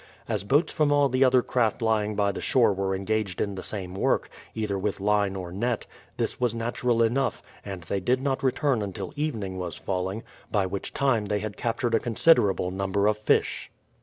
As boats from all the other craft lying by the shore were engaged in the same work, either with line or net, this was natural enough, and they did not return until evening was falling, by which time they had captured a considerable number of fish.